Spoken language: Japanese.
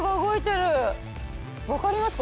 わかりますか？